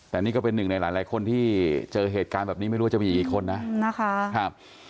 แต่นี่ก็เป็นหนึ่งในหลายคนที่เจอเหตุการณ์แบบนี้ไม่รู้ว่าจะมีกี่คนนะนะคะ